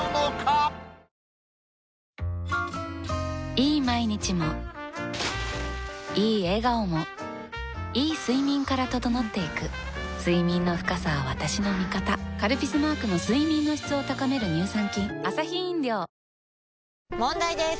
いい毎日もいい笑顔もいい睡眠から整っていく睡眠の深さは私の味方「カルピス」マークの睡眠の質を高める乳酸菌問題です！